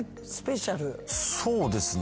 そうですね。